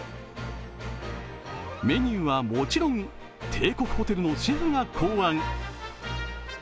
メニューはもちろん帝国ホテルのシェフが考案。